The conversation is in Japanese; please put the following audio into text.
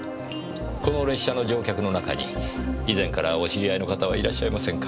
この列車の乗客の中に以前からお知り合いの方はいらっしゃいませんか？